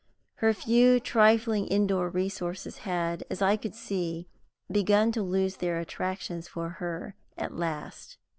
Her few trifling indoor resources had, as I could see, begun to lose their attractions for her at last.